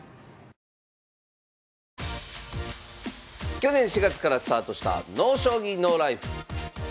去年４月からスタートした「ＮＯ将棋ＮＯＬＩＦＥ」。